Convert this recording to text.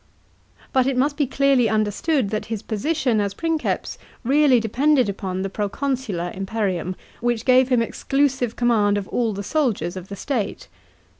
But it must be clearly understood, that his position as Princeps really depended upon the proconsular imperium, which gave him exclusive command of all the soldiers of the state.